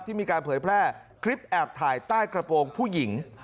มีการเผยแพร่คลิปแอบถ่ายใต้กระโปรงผู้หญิง